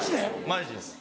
マジです。